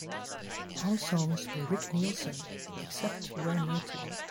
All songs by Rick Nielsen, except where noted.